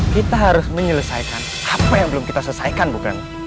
kita harus menyelesaikan apa yang belum kita selesaikan bukan